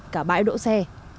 cả bãi đỗ xe